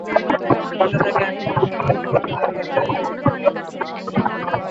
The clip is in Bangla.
বাসা থেকে একটু দূরে রনি মার্কেটের কাছে এলে বখাটেরা তাকে মারধর করে।